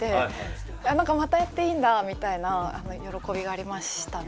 何かまたやっていいんだみたいな喜びがありましたね。